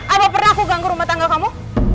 ada pernah aku ganggu rumah tangga kamu